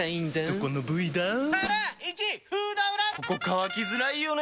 ここ乾きづらいよね。